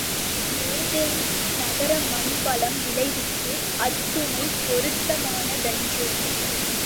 Athens நகர மண் வளம் விளைவுக்கு அத்துணைப் பொருத்தமான தன்று.